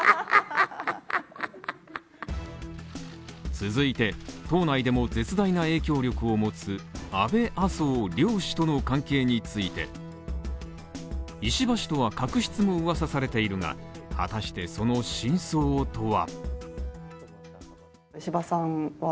続いて党内でも絶大な影響力を持つ安倍・麻生両氏との関係について石破氏とは確執もうわさされているが、果たしてその真相とは？